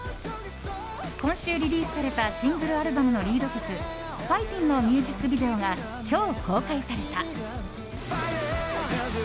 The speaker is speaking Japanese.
今週リリースされたシングル・アルバムのリード曲「Ｆｉｇｈｔｉｎｇ」のミュージックビデオが今日、公開された。